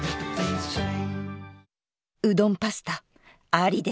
うどんパスタありです！